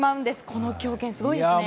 この強肩、すごいですね。